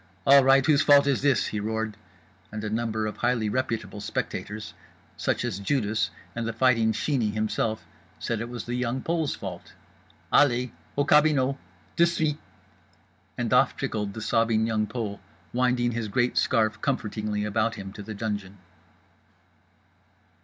"All right, whose fault is this?" he roared. And a number of highly reputable spectators, such as Judas and The Fighting Sheeney himself, said it was The Young Pole's fault. "Allez! Au cabinot! De suite!" And off trickled the sobbing Young Pole, winding his great scarf comfortingly about him, to the dungeon.